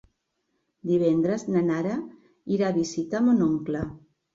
Divendres na Nara irà a visitar mon oncle.